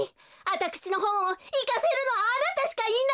あたくしのほんをいかせるのはあなたしかいないのよ！